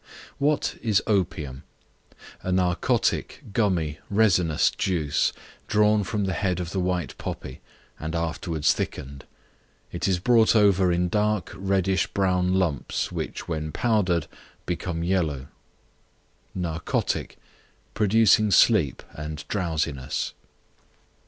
What is Opium? A narcotic, gummy, resinous juice, drawn from the head of the white poppy, and afterwards thickened; it is brought over in dark, reddish brown lumps, which, when powdered, become yellow. Narcotic, producing sleep and drowsiness.